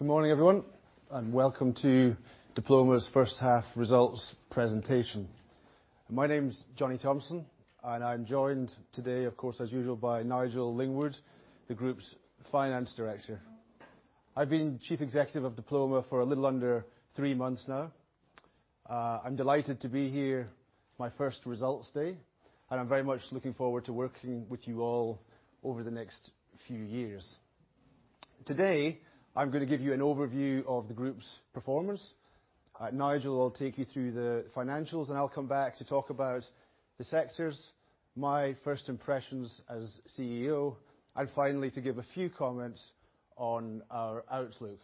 Good morning, everyone. Welcome to Diploma's first half results presentation. My name's Johnny Thomson. I'm joined today, of course, as usual, by Nigel Lingwood, the Group's Finance Director. I've been Chief Executive of Diploma for a little under three months now. I'm delighted to be here, my first results day. I'm very much looking forward to working with you all over the next few years. Today, I'm going to give you an overview of the group's performance. Nigel will take you through the financials. I'll come back to talk about the sectors, my first impressions as CEO, and finally, to give a few comments on our outlook.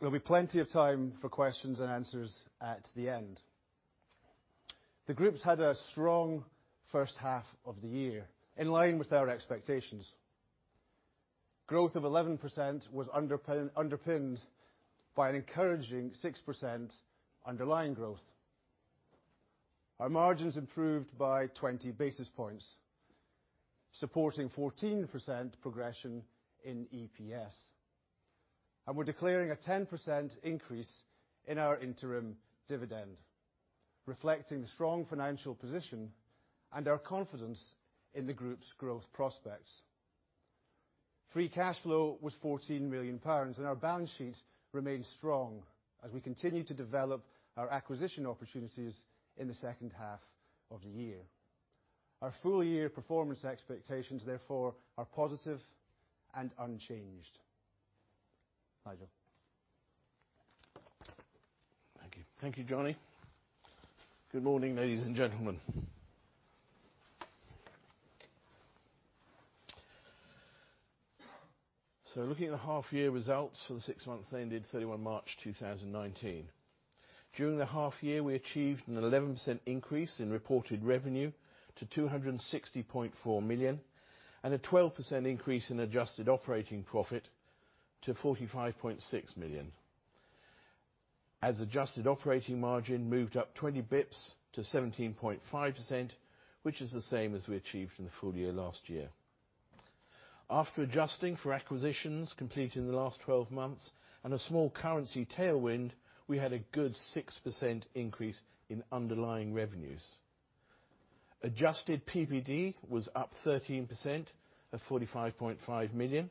There'll be plenty of time for questions and answers at the end. The group's had a strong first half of the year, in line with our expectations. Growth of 11% was underpinned by an encouraging 6% underlying growth. Our margins improved by 20 basis points, supporting 14% progression in EPS. We're declaring a 10% increase in our interim dividend, reflecting the strong financial position and our confidence in the group's growth prospects. Free cash flow was 14 million pounds. Our balance sheet remains strong as we continue to develop our acquisition opportunities in the second half of the year. Our full year performance expectations, therefore, are positive and unchanged. Nigel. Thank you. Thank you, Johnny. Good morning, ladies and gentlemen. Looking at the half year results for the six months ending 31 March 2019. During the half year, we achieved an 11% increase in reported revenue to 260.4 million and a 12% increase in adjusted operating profit to 45.6 million. Adjusted operating margin moved up 20 basis points to 17.5%, which is the same as we achieved in the full year last year. After adjusting for acquisitions completed in the last 12 months and a small currency tailwind, we had a good 6% increase in underlying revenues. Adjusted PBT was up 13% at 45.5 million.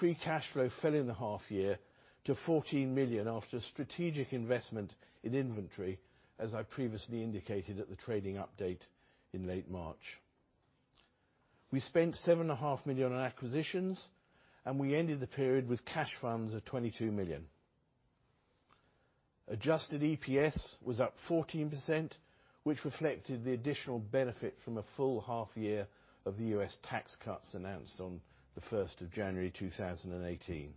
Free cash flow fell in the half year to 14 million after strategic investment in inventory, as I previously indicated at the trading update in late March. We spent seven and a half million on acquisitions. We ended the period with cash funds of 22 million. Adjusted EPS was up 14%, which reflected the additional benefit from a full half year of the U.S. tax cuts announced on the 1st of January 2018.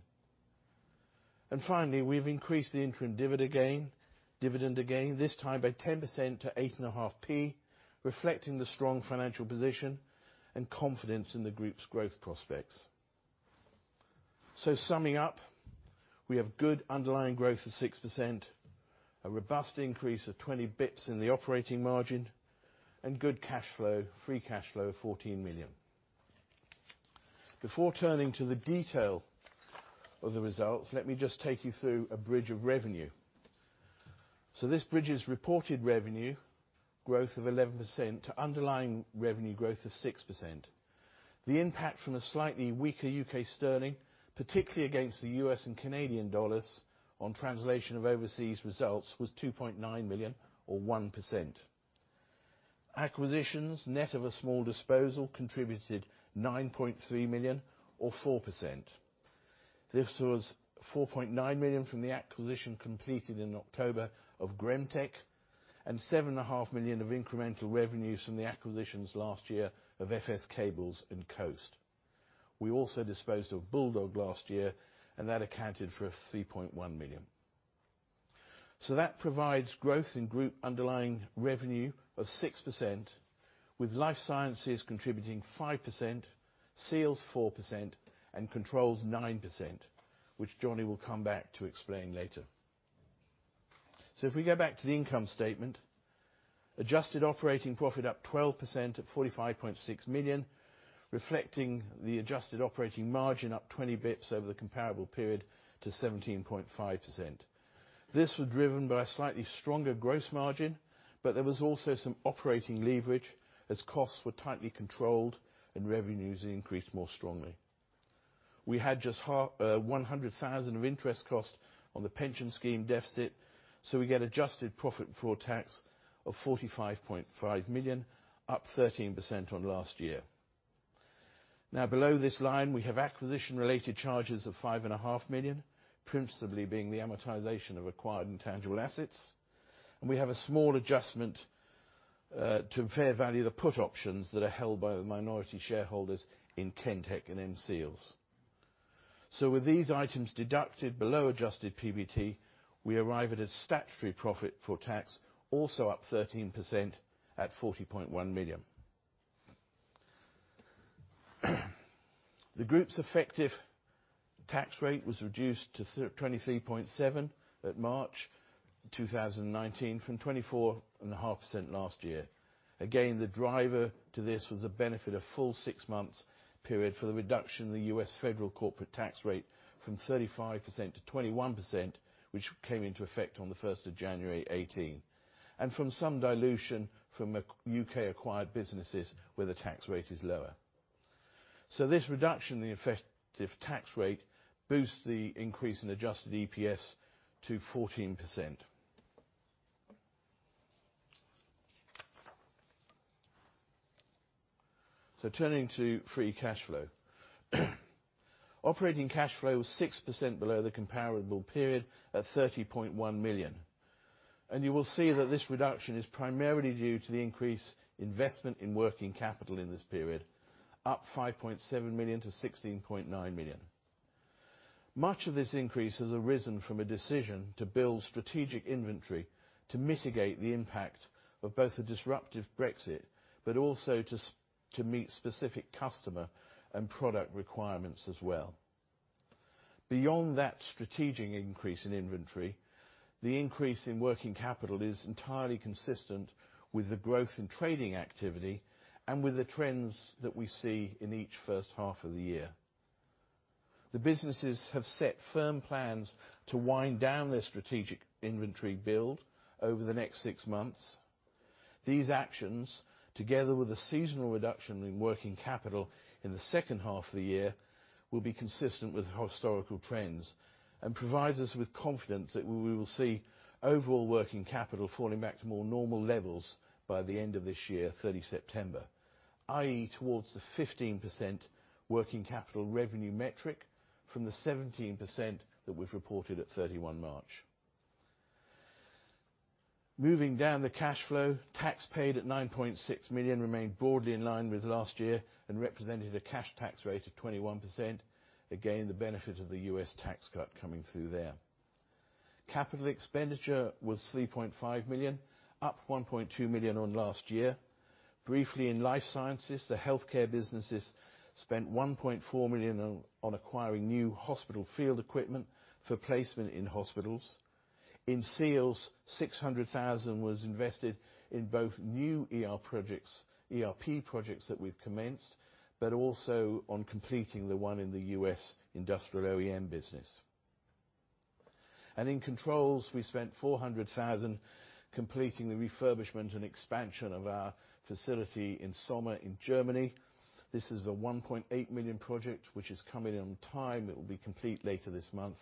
Finally, we've increased the interim dividend again, this time by 10% to 0.085, reflecting the strong financial position and confidence in the group's growth prospects. Summing up, we have good underlying growth of 6%, a robust increase of 20 basis points in the operating margin, and good cash flow, free cash flow of 14 million. Before turning to the detail of the results, let me just take you through a bridge of revenue. This bridge's reported revenue growth of 11% to underlying revenue growth of 6%. The impact from a slightly weaker U.K. sterling, particularly against the U.S. and Canadian dollars on translation of overseas results, was 2.9 million or 1%. Acquisitions net of a small disposal contributed 9.3 million or 4%. This was 4.9 million from the acquisition completed in October of Gremtek and seven and a half million of incremental revenues from the acquisitions last year of FS Cables and Coast. We also disposed of Bulldog last year, and that accounted for 3.1 million. That provides growth in group underlying revenue of 6%, with Life Sciences contributing 5%, Seals 4%, and Controls 9%, which Johnny will come back to explain later. If we go back to the income statement. Adjusted operating profit up 12% at 45.6 million, reflecting the adjusted operating margin up 20 basis points over the comparable period to 17.5%. This was driven by a slightly stronger gross margin. There was also some operating leverage as costs were tightly controlled and revenues increased more strongly. We had just 100,000 of interest cost on the pension scheme deficit. We get adjusted profit before tax of 45.5 million, up 13% on last year. Below this line, we have acquisition related charges of five and a half million, principally being the amortization of acquired intangible assets. We have a small adjustment to fair value the put options that are held by the minority shareholders in Kentek and M-Seals. With these items deducted below adjusted PBT, we arrive at a statutory profit for tax, also up 13% at 40.1 million. The group's effective tax rate was reduced to 23.7% at March 2019 from 24.5% last year. Again, the driver to this was the benefit of full six months period for the reduction in the U.S. federal corporate tax rate from 35% to 21%, which came into effect on the 1st of January 2018, and from some dilution from U.K. acquired businesses where the tax rate is lower. This reduction in the effective tax rate boosts the increase in adjusted EPS to 14%. Turning to free cash flow. Operating cash flow was 6% below the comparable period at 30.1 million. You will see that this reduction is primarily due to the increased investment in working capital in this period, up 5.7 million to 16.9 million. Much of this increase has arisen from a decision to build strategic inventory to mitigate the impact of both a disruptive Brexit, also to meet specific customer and product requirements as well. Beyond that strategic increase in inventory, the increase in working capital is entirely consistent with the growth in trading activity and with the trends that we see in each first half of the year. The businesses have set firm plans to wind down their strategic inventory build over the next six months. These actions, together with a seasonal reduction in working capital in the second half of the year, will be consistent with historical trends and provides us with confidence that we will see overall working capital falling back to more normal levels by the end of this year, 30 September. I.e., towards the 15% working capital revenue metric from the 17% that we've reported at 31 March. Moving down the cash flow, tax paid at 9.6 million remained broadly in line with last year and represented a cash tax rate of 21%. The benefit of the U.S. tax cut coming through there. Capital expenditure was 3.5 million, up 1.2 million on last year. Briefly in Life Sciences, the healthcare businesses spent 1.4 million on acquiring new hospital field equipment for placement in hospitals. In Seals, 600,000 was invested in both new ERP projects that we've commenced, but also on completing the one in the U.S. industrial OEM business. In Controls, we spent 400,000 completing the refurbishment and expansion of our facility in Sommer in Germany. This is a 1.8 million project which is coming in on time. It will be complete later this month.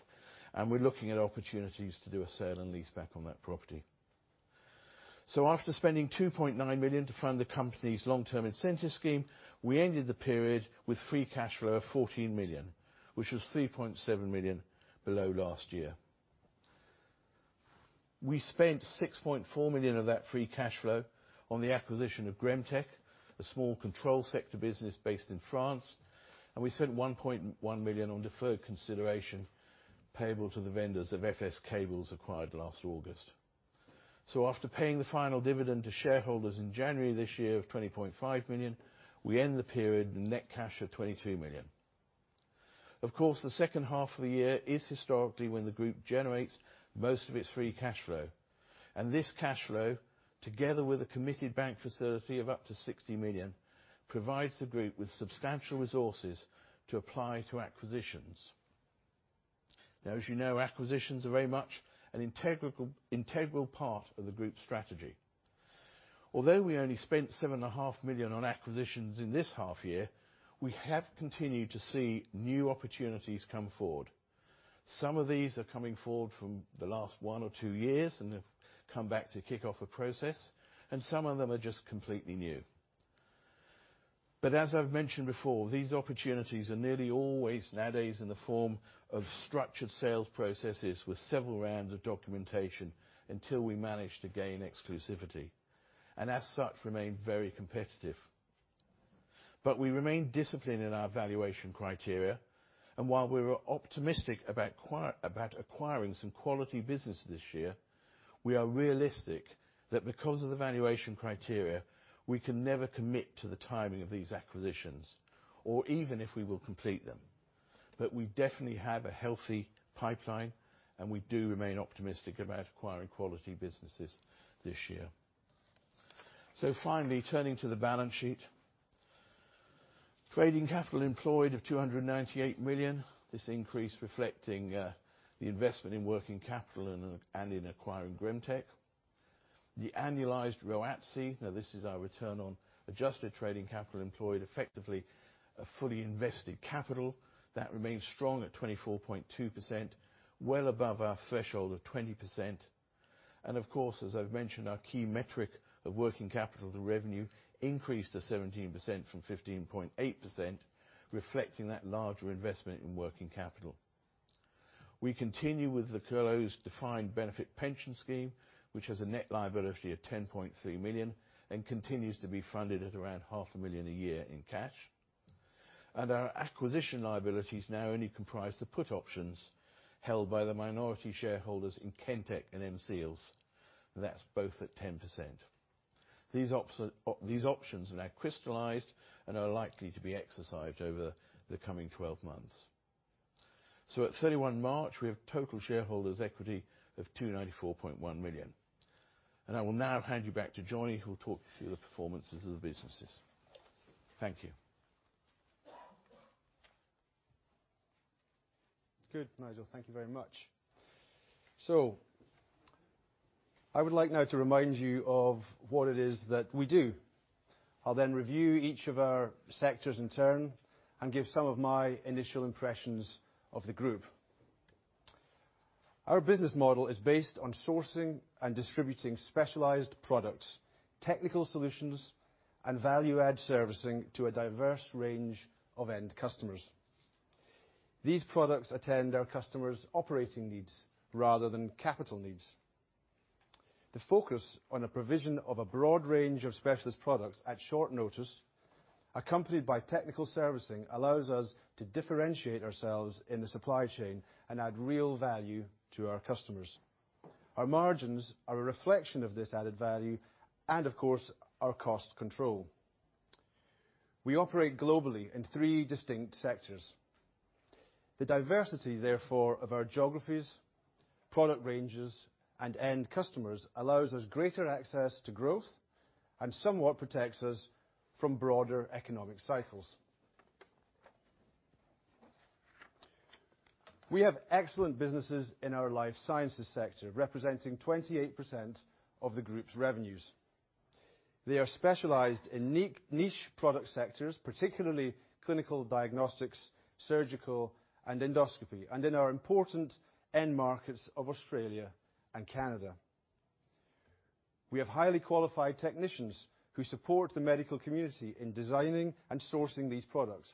We're looking at opportunities to do a sale and leaseback on that property. After spending 2.9 million to fund the company's long-term incentive scheme, we ended the period with free cash flow of 14 million, which was 3.7 million below last year. We spent 6.4 million of that free cash flow on the acquisition of Gremtek, a small control sector business based in France. We spent 1.1 million on deferred consideration payable to the vendors of FS Cables acquired last August. After paying the final dividend to shareholders in January this year of 20.5 million, we end the period with net cash of 22 million. Of course, the second half of the year is historically when the group generates most of its free cash flow. This cash flow, together with a committed bank facility of up to 60 million, provides the group with substantial resources to apply to acquisitions. As you know, acquisitions are very much an integral part of the group's strategy. Although we only spent 7.5 million on acquisitions in this half year, we have continued to see new opportunities come forward. Some of these are coming forward from the last one or two years and have come back to kick off a process. Some of them are just completely new. As I've mentioned before, these opportunities are nearly always nowadays in the form of structured sales processes with several rounds of documentation until we manage to gain exclusivity, and as such, remain very competitive. We remain disciplined in our valuation criteria, and while we are optimistic about acquiring some quality business this year, we are realistic that because of the valuation criteria, we can never commit to the timing of these acquisitions or even if we will complete them. We definitely have a healthy pipeline, and we do remain optimistic about acquiring quality businesses this year. Finally, turning to the balance sheet. Trading capital employed of 298 million. This increase reflecting the investment in working capital and in acquiring Gremtek. The annualized ROACE, this is our return on adjusted trading capital employed, effectively a fully invested capital, that remains strong at 24.2%, well above our threshold of 20%. Of course, as I've mentioned, our key metric of working capital to revenue increased to 17% from 15.8%, reflecting that larger investment in working capital. We continue with the closed defined benefit pension scheme, which has a net liability of 10.3 million and continues to be funded at around half a million GBP a year in cash. Our acquisition liabilities now only comprise the put options held by the minority shareholders in Kentek and M-Seals. That's both at 10%. These options now crystallized and are likely to be exercised over the coming 12 months. At 31 March, we have total shareholders' equity of 294.1 million. I will now hand you back to Johnny, who will talk you through the performances of the businesses. Thank you. Good, Nigel. Thank you very much. I would like now to remind you of what it is that we do. I will review each of our sectors in turn and give some of my initial impressions of the group. Our business model is based on sourcing and distributing specialized products, technical solutions, and value-add servicing to a diverse range of end customers. These products attend our customers' operating needs rather than capital needs. The focus on a provision of a broad range of specialist products at short notice, accompanied by technical servicing, allows us to differentiate ourselves in the supply chain and add real value to our customers. Our margins are a reflection of this added value, and of course, our cost control. We operate globally in three distinct sectors. The diversity therefore of our geographies, product ranges, and end customers allows us greater access to growth and somewhat protects us from broader economic cycles. We have excellent businesses in our life sciences sector representing 28% of the group's revenues. They are specialized in niche product sectors, particularly clinical diagnostics, surgical, and endoscopy, and in our important end markets of Australia and Canada. We have highly qualified technicians who support the medical community in designing and sourcing these products,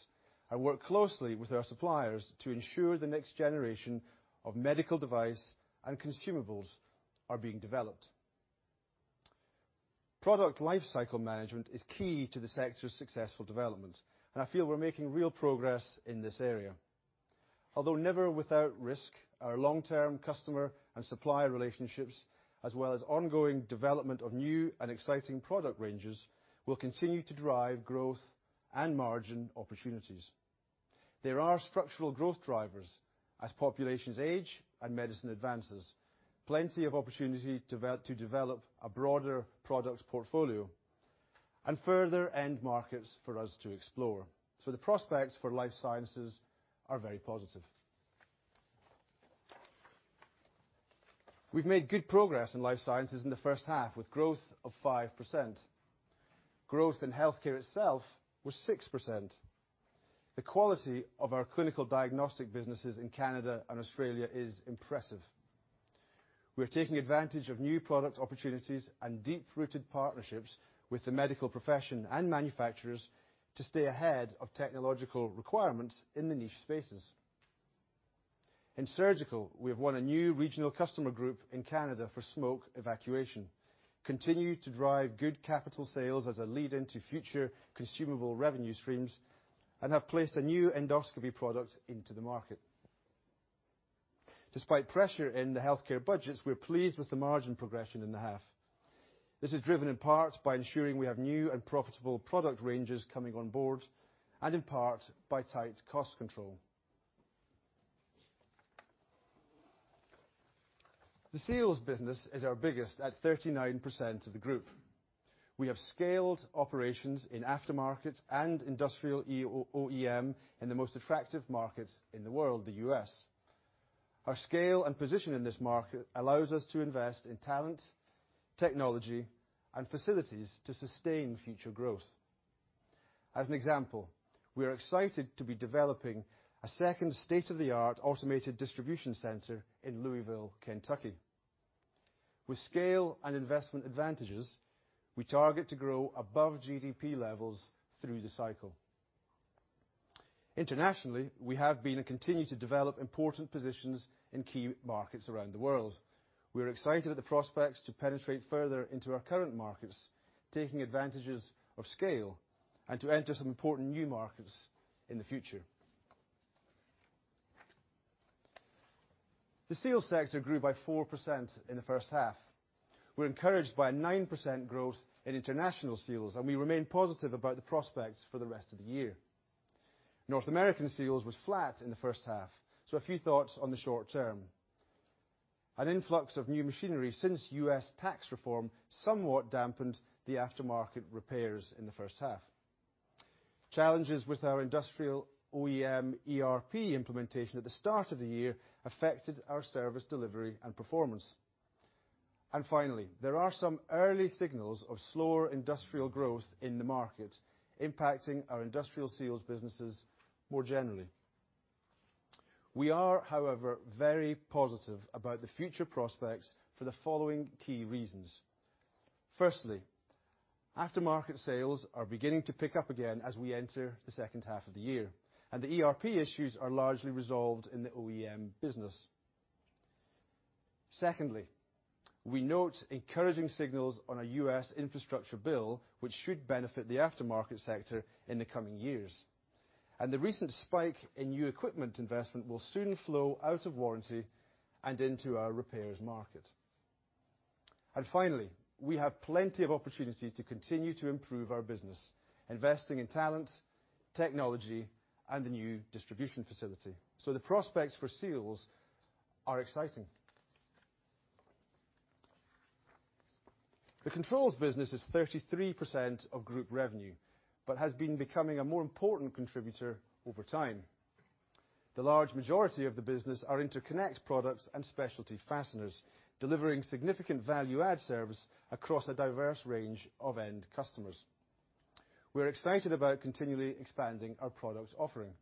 and work closely with our suppliers to ensure the next generation of medical device and consumables are being developed. Product lifecycle management is key to the sector's successful development, and I feel we're making real progress in this area. Although never without risk, our long-term customer and supplier relationships, as well as ongoing development of new and exciting product ranges, will continue to drive growth and margin opportunities. There are structural growth drivers as populations age and medicine advances. Plenty of opportunity to develop a broader product portfolio, and further end markets for us to explore. The prospects for life sciences are very positive. We've made good progress in life sciences in the first half, with growth of 5%. Growth in healthcare itself was 6%. The quality of our clinical diagnostic businesses in Canada and Australia is impressive. We are taking advantage of new product opportunities and deep-rooted partnerships with the medical profession and manufacturers to stay ahead of technological requirements in the niche spaces. In surgical, we have won a new regional customer group in Canada for smoke evacuation, continue to drive good capital sales as a lead into future consumable revenue streams, and have placed a new endoscopy product into the market. Despite pressure in the healthcare budgets, we're pleased with the margin progression in the half. This is driven in part by ensuring we have new and profitable product ranges coming on board, and in part by tight cost control. The seals business is our biggest at 39% of the group. We have scaled operations in aftermarket and industrial OEM in the most attractive market in the world, the U.S. Our scale and position in this market allows us to invest in talent, technology, and facilities to sustain future growth. As an example, we are excited to be developing a second state-of-the-art automated distribution center in Louisville, Kentucky. With scale and investment advantages, we target to grow above GDP levels through the cycle. Internationally, we have been and continue to develop important positions in key markets around the world. We are excited at the prospects to penetrate further into our current markets, taking advantages of scale, and to enter some important new markets in the future. The seals sector grew by 4% in the first half. We're encouraged by a 9% growth in international seals, and we remain positive about the prospects for the rest of the year. North American seals was flat in the first half. A few thoughts on the short term. An influx of new machinery since U.S. tax reform somewhat dampened the aftermarket repairs in the first half. Challenges with our industrial OEM ERP implementation at the start of the year affected our service delivery and performance. Finally, there are some early signals of slower industrial growth in the market impacting our industrial seals businesses more generally. We are, however, very positive about the future prospects for the following key reasons. Firstly, aftermarket sales are beginning to pick up again as we enter the second half of the year, and the ERP issues are largely resolved in the OEM business. Secondly, we note encouraging signals on a U.S. infrastructure bill which should benefit the aftermarket sector in the coming years. The recent spike in new equipment investment will soon flow out of warranty and into our repairs market. Finally, we have plenty of opportunities to continue to improve our business, investing in talent, technology, and the new distribution facility. The prospects for Seals are exciting. The Controls business is 33% of group revenue, but has been becoming a more important contributor over time. The large majority of the business are Interconnect products and specialty fasteners, delivering significant value-add service across a diverse range of end customers. We're excited about continually expanding our product offering.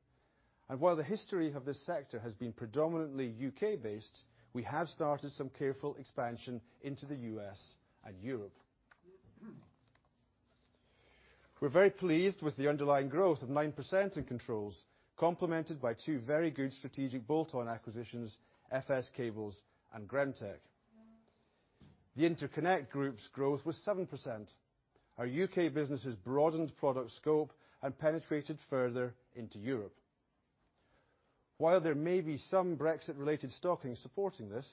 While the history of this sector has been predominantly U.K.-based, we have started some careful expansion into the U.S. and Europe. We're very pleased with the underlying growth of 9% in Controls, complemented by two very good strategic bolt-on acquisitions, FS Cables and Gremtec. The Interconnect group's growth was 7%. Our U.K. business has broadened product scope and penetrated further into Europe. While there may be some Brexit related stocking supporting this,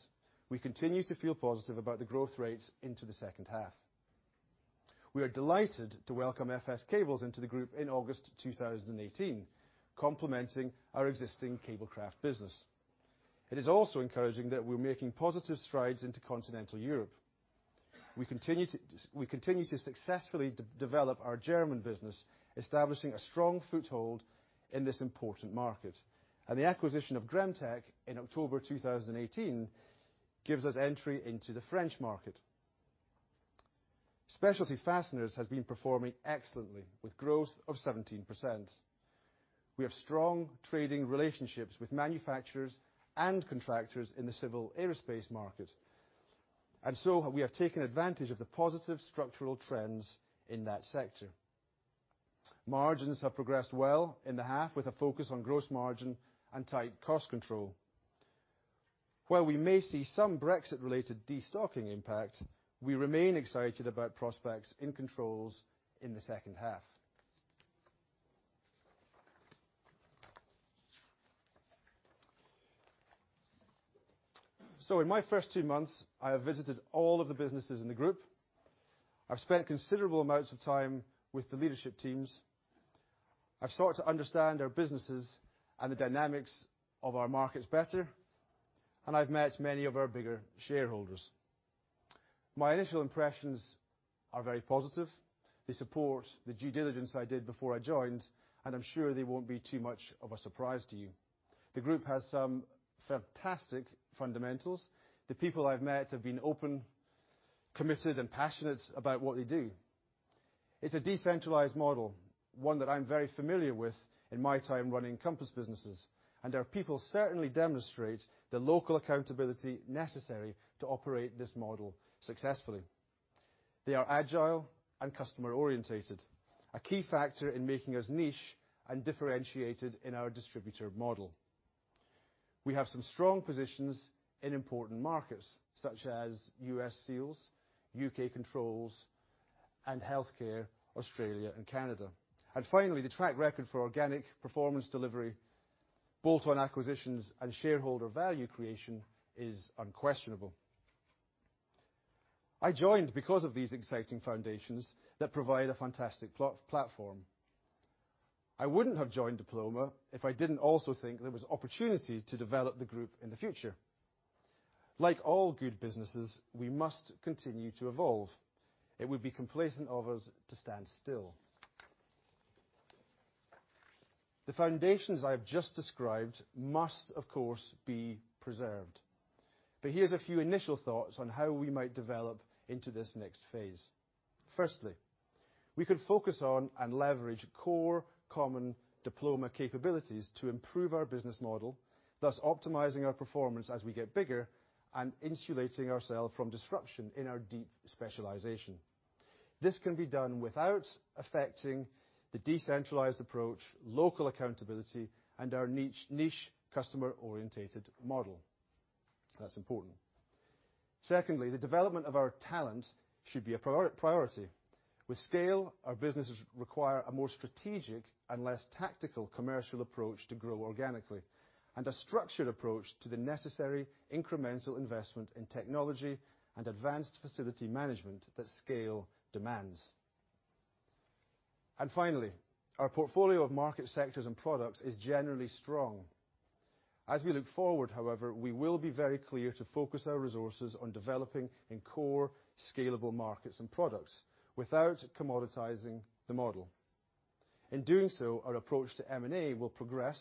we continue to feel positive about the growth rates into the second half. We are delighted to welcome FS Cables into the group in August 2018, complementing our existing Cablecraft business. It is also encouraging that we're making positive strides into continental Europe. We continue to successfully develop our German business, establishing a strong foothold in this important market. The acquisition of Gremtec in October 2018 gives us entry into the French market. Specialty Fasteners has been performing excellently, with growth of 17%. We have strong trading relationships with manufacturers and contractors in the civil aerospace market, we have taken advantage of the positive structural trends in that sector. Margins have progressed well in the half, with a focus on gross margin and tight cost control. While we may see some Brexit related destocking impact, we remain excited about prospects in Controls in the second half. In my first two months, I have visited all of the businesses in the group. I've spent considerable amounts of time with the leadership teams. I've started to understand our businesses and the dynamics of our markets better, I've met many of our bigger shareholders. My initial impressions are very positive. They support the due diligence I did before I joined, I'm sure they won't be too much of a surprise to you. The group has some fantastic fundamentals. The people I've met have been open, committed, and passionate about what they do. It's a decentralized model, one that I'm very familiar with in my time running Compass businesses, our people certainly demonstrate the local accountability necessary to operate this model successfully. They are agile and customer orientated, a key factor in making us niche and differentiated in our distributor model. We have some strong positions in important markets such as U.S. Seals, U.K. Controls, and Healthcare Australia and Canada. Finally, the track record for organic performance delivery, bolt-on acquisitions, and shareholder value creation is unquestionable. I joined because of these exciting foundations that provide a fantastic platform. I wouldn't have joined Diploma if I didn't also think there was opportunity to develop the group in the future. Like all good businesses, we must continue to evolve. It would be complacent of us to stand still. The foundations I've just described must, of course, be preserved. Here's a few initial thoughts on how we might develop into this next phase. Firstly, we could focus on and leverage core, common Diploma capabilities to improve our business model, thus optimizing our performance as we get bigger and insulating ourselves from disruption in our deep specialization. This can be done without affecting the decentralized approach, local accountability, and our niche customer orientated model. That's important. Secondly, the development of our talent should be a priority. With scale, our businesses require a more strategic and less tactical commercial approach to grow organically, a structured approach to the necessary incremental investment in technology and advanced facility management that scale demands. Finally, our portfolio of market sectors and products is generally strong. As we look forward, however, we will be very clear to focus our resources on developing in core scalable markets and products without commoditizing the model. In doing so, our approach to M&A will progress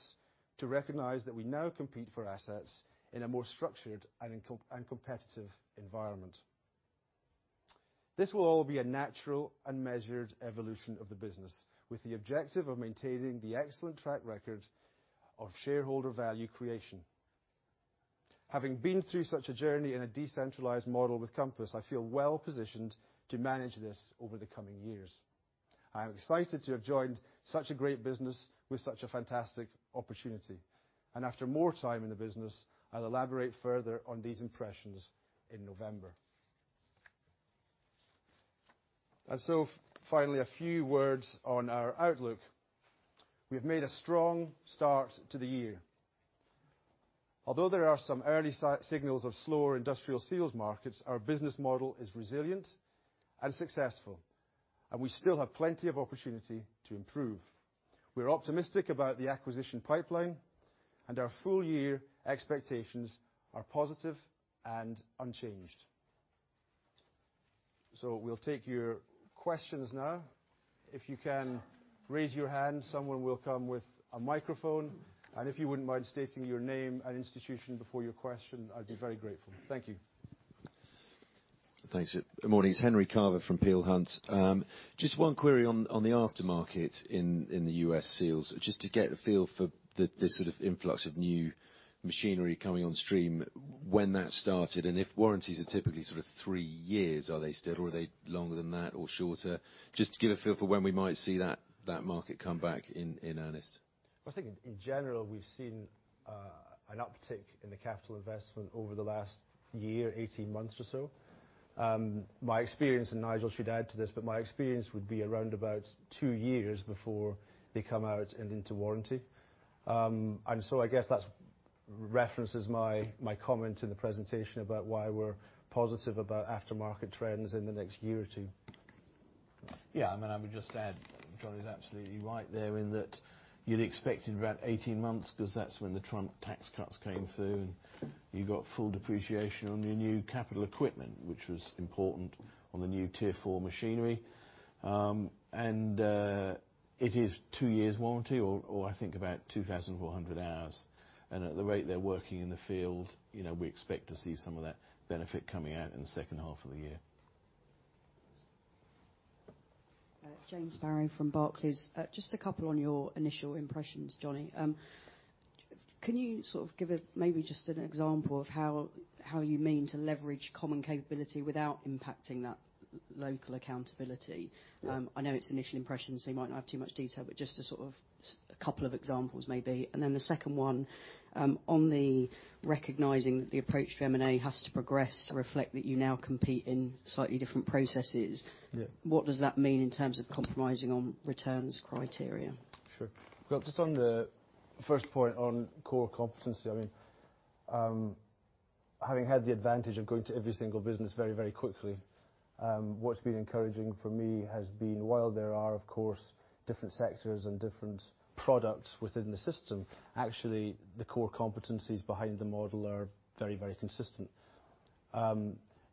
to recognize that we now compete for assets in a more structured and competitive environment. This will all be a natural and measured evolution of the business, with the objective of maintaining the excellent track record of shareholder value creation. Having been through such a journey in a decentralized model with Compass, I feel well positioned to manage this over the coming years. I am excited to have joined such a great business with such a fantastic opportunity. After more time in the business, I'll elaborate further on these impressions in November. Finally, a few words on our outlook. We've made a strong start to the year. Although there are some early signals of slower industrial seals markets, our business model is resilient and successful, and we still have plenty of opportunity to improve. We're optimistic about the acquisition pipeline, and our full year expectations are positive and unchanged. We'll take your questions now. If you can raise your hand, someone will come with a microphone. If you wouldn't mind stating your name and institution before your question, I'd be very grateful. Thank you. Thanks. Good morning. It's Henry Carver from Peel Hunt. Just one query on the aftermarket in the U.S. seals. Just to get a feel for the sort of influx of new machinery coming on stream. When that started, and if warranties are typically sort of three years, are they still, or are they longer than that, or shorter? Just to get a feel for when we might see that market come back in earnest. I think in general, we've seen an uptick in the capital investment over the last year, 18 months or so. My experience, and Nigel should add to this, but my experience would be around about two years before they come out and into warranty. I guess that references my comment in the presentation about why we're positive about aftermarket trends in the next year or two. Yeah, I mean, I would just add, Johnny's absolutely right there in that you'd expect in about 18 months because that's when the Trump tax cuts came through, and you got full depreciation on your new capital equipment, which was important on the new Tier 4 machinery. It is two years warranty or I think about 2,400 hours. At the rate they're working in the field, we expect to see some of that benefit coming out in the second half of the year. Jane Sparrow from Barclays. Just a couple on your initial impressions, Johnny. Can you sort of give maybe just an example of how you mean to leverage common capability without impacting that local accountability? I know it's initial impressions, so you might not have too much detail, but just a sort of couple of examples maybe. The second one, on the recognizing that the approach to M&A has to progress to reflect that you now compete in slightly different processes. Yeah. What does that mean in terms of compromising on returns criteria? Sure. Just on the first point on core competency. Having had the advantage of going to every single business very quickly, what's been encouraging for me has been while there are, of course, different sectors and different products within the system, actually the core competencies behind the model are very consistent.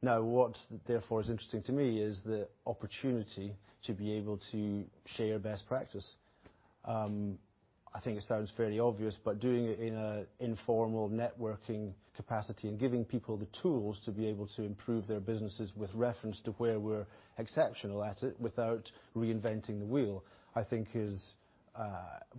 What therefore is interesting to me is the opportunity to be able to share best practice. I think it sounds fairly obvious, but doing it in a informal networking capacity and giving people the tools to be able to improve their businesses with reference to where we're exceptional at it without reinventing the wheel, I think is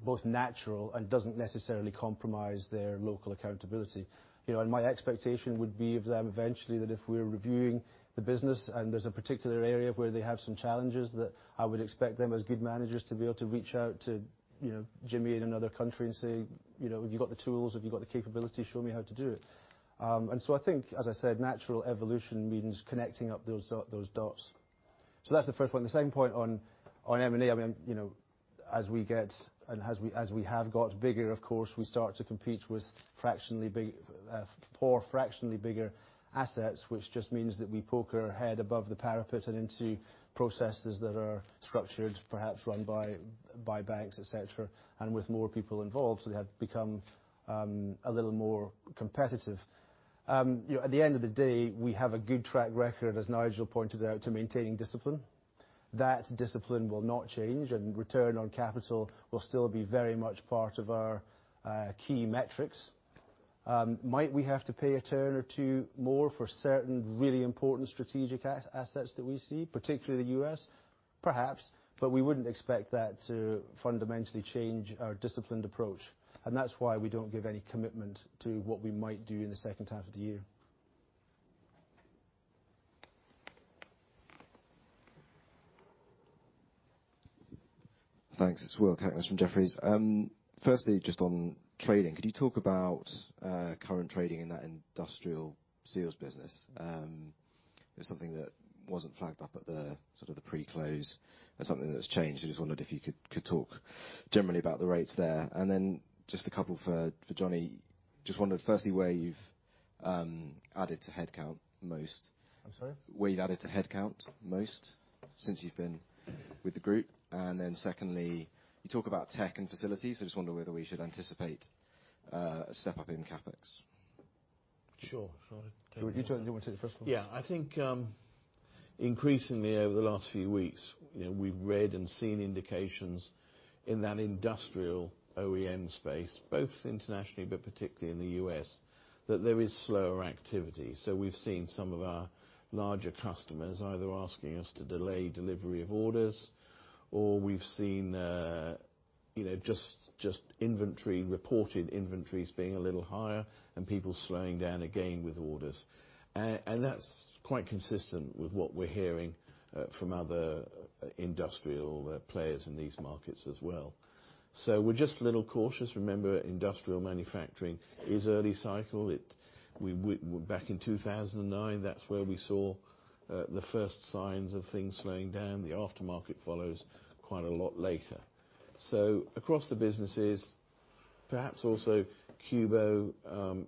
both natural and doesn't necessarily compromise their local accountability. My expectation would be of them eventually, that if we're reviewing the business and there's a particular area where they have some challenges, that I would expect them as good managers to be able to reach out to Jimmy in another country and say, "Have you got the tools? Have you got the capability? Show me how to do it." I think, as I said, natural evolution means connecting up those dots. That's the first point. The second point on M&A, as we get, and as we have got bigger, of course, we start to compete with for fractionally bigger assets, which just means that we poke our head above the parapet and into processes that are structured, perhaps run by banks, et cetera, and with more people involved. They have become a little more competitive. At the end of the day, we have a good track record, as Nigel pointed out, to maintaining discipline. That discipline will not change, and return on capital will still be very much part of our key metrics. Might we have to pay a turn or two more for certain really important strategic assets that we see, particularly the U.S.? Perhaps, but we wouldn't expect that to fundamentally change our disciplined approach. That's why we don't give any commitment to what we might do in the second half of the year. Thanks. It's Will Kirkness from Jefferies. Firstly, just on trading, could you talk about current trading in that industrial seals business? It was something that wasn't flagged up at the pre-close as something that has changed. I just wondered if you could talk generally about the rates there. Then just a couple for Johnny. Just wondered firstly where you've added to headcount most. I'm sorry? Where you've added to headcount most since you've been with the group. Then secondly, you talk about tech and facilities. I just wonder whether we should anticipate a step up in CapEx. Sure. Shall I take that? You want to take the first one? Yeah. I think increasingly over the last few weeks, we've read and seen indications in that industrial OEM space, both internationally but particularly in the U.S., that there is slower activity. We've seen some of our larger customers either asking us to delay delivery of orders, or we've seen just inventory, reported inventories being a little higher and people slowing down again with orders. That's quite consistent with what we're hearing from other industrial players in these markets as well. We're just a little cautious. Remember, industrial manufacturing is early cycle. Back in 2009, that's where we saw the first signs of things slowing down. The aftermarket follows quite a lot later. Across the businesses, perhaps also Cubo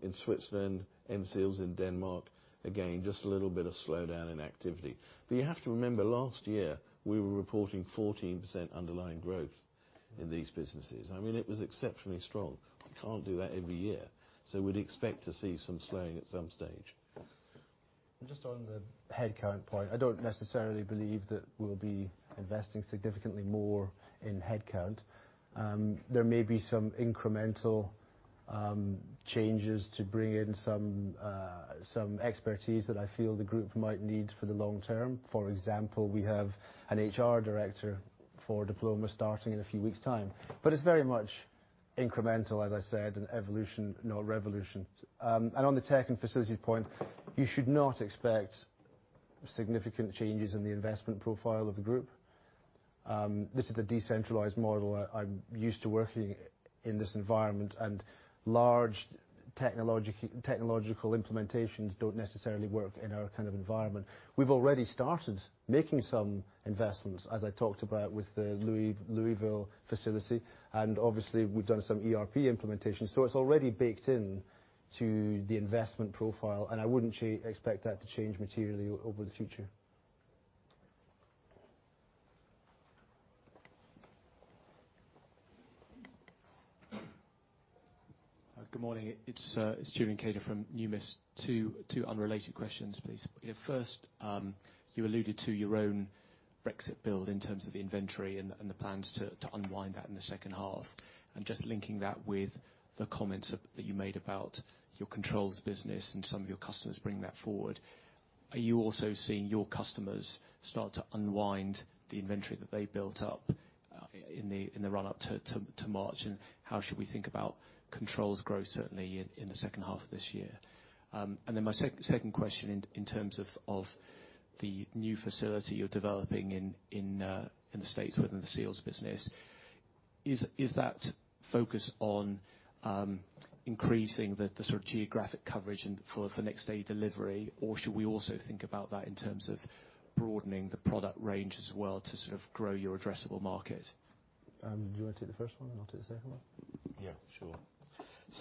in Switzerland, M-Seals in Denmark, again, just a little bit of slowdown in activity. You have to remember, last year, we were reporting 14% underlying growth in these businesses. It was exceptionally strong. We can't do that every year. We'd expect to see some slowing at some stage. Just on the headcount point, I don't necessarily believe that we'll be investing significantly more in headcount. There may be some incremental changes to bring in some expertise that I feel the group might need for the long term. For example, we have an HR director for Diploma starting in a few weeks' time. It's very much incremental, as I said, an evolution, not revolution. On the tech and facilities point, you should not expect significant changes in the investment profile of the group. This is a decentralized model. I'm used to working in this environment, and large technological implementations don't necessarily work in our kind of environment. We've already started making some investments, as I talked about with the Louisville facility, and obviously, we've done some ERP implementation, so it's already baked into the investment profile, and I wouldn't expect that to change materially over the future. Good morning. It's Julian Cater from Numis. Two unrelated questions, please. First, you alluded to your own Brexit build in terms of the inventory and the plans to unwind that in the second half, and just linking that with the comments that you made about your controls business and some of your customers bringing that forward. Are you also seeing your customers start to unwind the inventory that they built up in the run-up to March, and how should we think about controls growth, certainly in the second half of this year? My second question in terms of the new facility you're developing in the U.S. within the seals business, is that focused on increasing the sort of geographic coverage and for the next day delivery, or should we also think about that in terms of broadening the product range as well to sort of grow your addressable market? Do you want to take the first one and I'll take the second one? Yeah, sure. As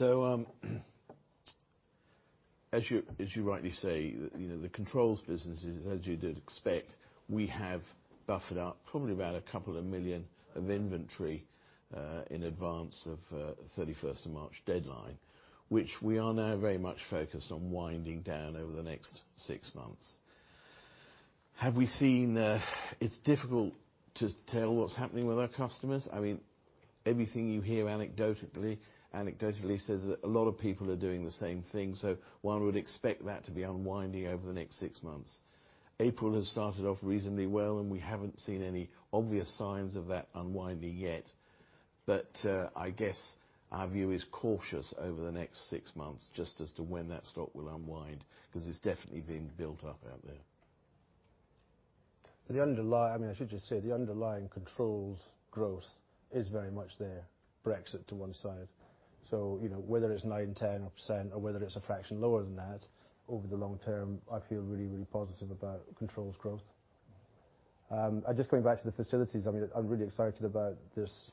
you rightly say, the controls business is, as you did expect, we have buffered up probably about 2 million of inventory in advance of March 31st deadline, which we are now very much focused on winding down over the next six months. It's difficult to tell what's happening with our customers. Everything you hear anecdotally says that a lot of people are doing the same thing, one would expect that to be unwinding over the next six months. April has started off reasonably well, we haven't seen any obvious signs of that unwinding yet. I guess our view is cautious over the next six months, just as to when that stock will unwind, because it's definitely being built up out there. I should just say the underlying controls growth is very much there, Brexit to one side. Whether it's 9%, 10% or whether it's a fraction lower than that, over the long term, I feel really positive about controls growth. Just going back to the facilities, I'm really excited about this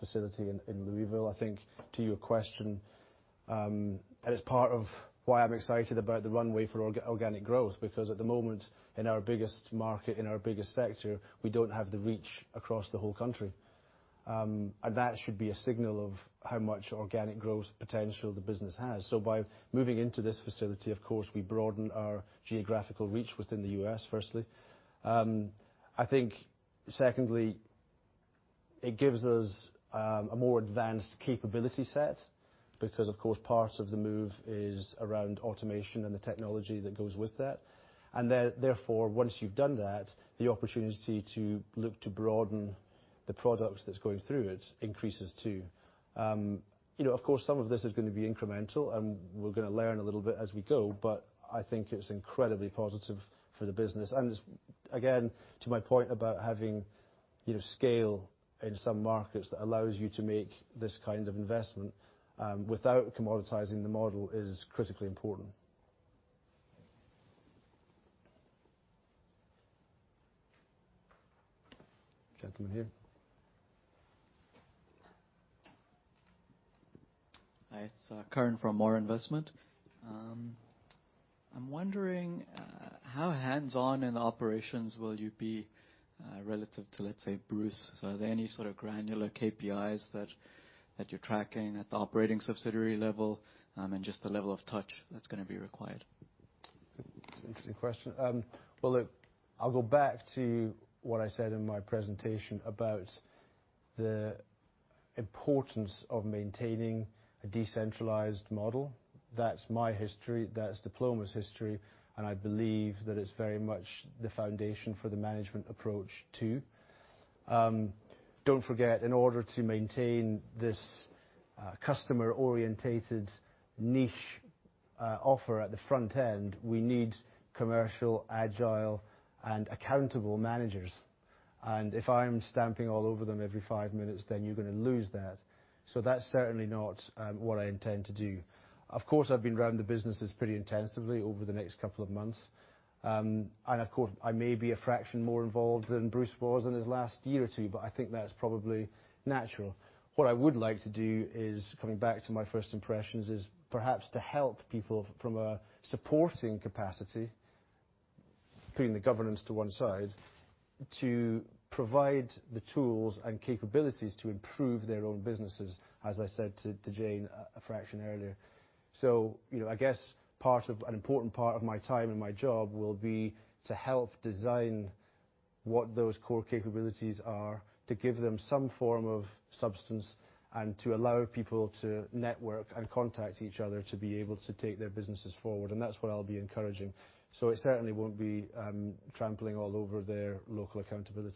facility in Louisville. I think to your question, it's part of why I'm excited about the runway for organic growth because at the moment, in our biggest market, in our biggest sector, we don't have the reach across the whole country. That should be a signal of how much organic growth potential the business has. By moving into this facility, of course, we broaden our geographical reach within the U.S., firstly. I think secondly, it gives us a more advanced capability set because of course, part of the move is around automation and the technology that goes with that. Therefore, once you've done that, the opportunity to look to broaden the products that's going through it increases too. Of course, some of this is going to be incremental, we're going to learn a little bit as we go, but I think it's incredibly positive for the business. Again, to my point about having scale in some markets that allows you to make this kind of investment without commoditizing the model is critically important. Gentleman here. Hi, it's Karan from Moore Investment. I'm wondering how hands-on in the operations will you be relative to, let's say, Bruce. Are there any sort of granular KPIs that you're tracking at the operating subsidiary level? Just the level of touch that's going to be required. It's an interesting question. I'll go back to what I said in my presentation about the importance of maintaining a decentralized model. That's my history, that's Diploma's history, and I believe that it's very much the foundation for the management approach, too. Don't forget, in order to maintain this customer-orientated niche offer at the front end, we need commercial, agile, and accountable managers. If I'm stamping all over them every five minutes, then you're going to lose that. That's certainly not what I intend to do. Of course, I've been around the businesses pretty intensively over the next couple of months. Of course, I may be a fraction more involved than Bruce was in his last year or two, but I think that's probably natural. What I would like to do is, coming back to my first impressions, is perhaps to help people from a supporting capacity, putting the governance to one side, to provide the tools and capabilities to improve their own businesses, as I said to Jane a fraction earlier. I guess an important part of my time and my job will be to help design what those core capabilities are, to give them some form of substance, and to allow people to network and contact each other to be able to take their businesses forward, and that's what I'll be encouraging. It certainly won't be trampling all over their local accountability.